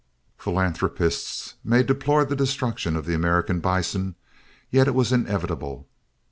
Philanthropists may deplore the destruction of the American bison, yet it was inevitable.